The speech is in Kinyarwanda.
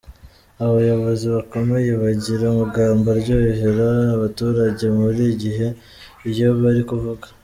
Abayobozi bakomeye bagira amagambo aryohera abaturage buri gihe iyo bari kuvuga.